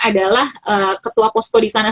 adalah ketua posko disana